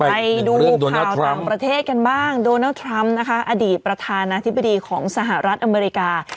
ไปดูข่าวต่างประเทศกันบ้างโดนัลดทรัมป์นะคะอดีตประธานาธิบดีของสหรัฐอเมริกา